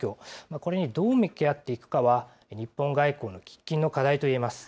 これにどう向き合っていくかは、日本外交の喫緊の課題といえます。